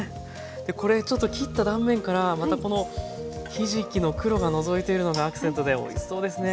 これちょっと切った断面からまたこのひじきの黒がのぞいているのがアクセントでおいしそうですね。